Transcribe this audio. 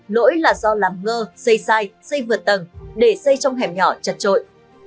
lỗi là do làm ngơ xây sai xây vượt tầng để xây trong hẻm nhỏ chật trội